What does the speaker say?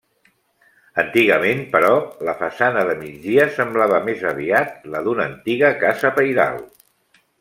Antigament, però, la façana de migdia semblava més aviat la d'una antiga casa pairal.